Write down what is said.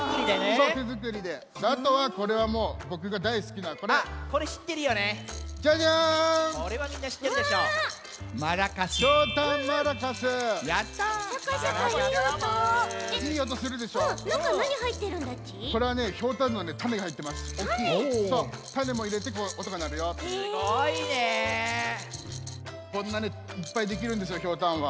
そうこんなにいっぱいできるんですよひょうたんは。